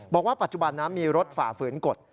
บอกว่าปัจจุบันนั้นมีรถฝ่าฝืนกฎ